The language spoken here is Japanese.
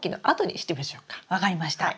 分かりました。